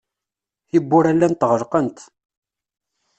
Tiwwura llant ɣelqent.